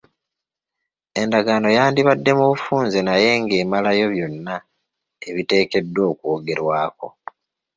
Endagaano yandibadde mu bufunze naye ng'emalayo byonna ebiteekeddwa okwogerwako.